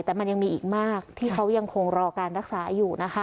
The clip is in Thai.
แต่มันยังมีอีกมากที่เขายังคงรอการรักษาอยู่นะคะ